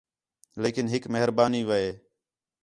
لیکن ہِک مہربانی وے